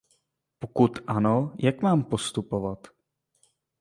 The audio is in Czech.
Pokud ano, jak mám postupovat?